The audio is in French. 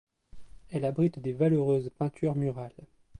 Elle abrite des valeureuses peintures murales.